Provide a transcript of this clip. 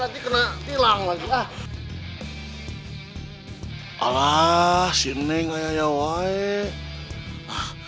jadi kena tilang lagi alah sini gak ada yang baik